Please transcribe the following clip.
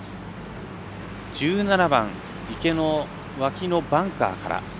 １７番、池の脇のバンカーから。